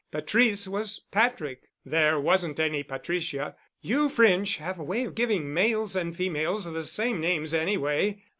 Patrice was Patrick. There wasn't any Patricia. You French have a way of giving males and females the same names anyway.